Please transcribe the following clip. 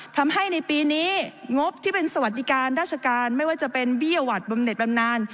ทำให้ในปีนี้งบที่เป็นสวัสดิการราชการไม่ว่าจะเป็นเบี้ยหวัดบำเน็ตบำนาน